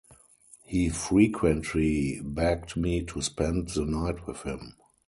He frequently begged me to spend the night with him.